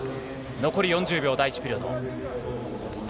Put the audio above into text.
残り４０秒、第１ピリオド。